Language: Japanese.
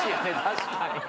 確かに。